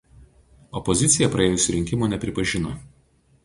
Opozicija praėjusių rinkimų nepripažino.